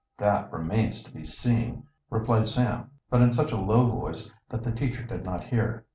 "That remains to be seen," replied Sam, but in such a low voice that the teacher did not hear.